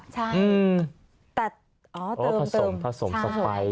ใช่แต่เติมผสมสะไพร